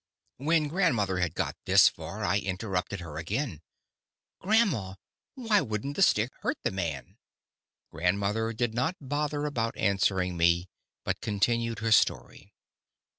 When grandmother had got this far, I interrupted her again. "Grandma, why wouldn't the stick hurt the man?" Grandmother did not bother about answering me, but continued her story.